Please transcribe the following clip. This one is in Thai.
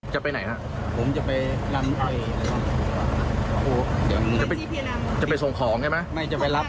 เขาบ่อยอย่าเมามาคนเดียวใช่ไหมครับ